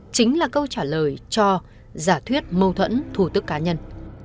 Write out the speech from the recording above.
chính là câu trả lời cho giả thuyết mâu thuẫn thủ tức cá nhân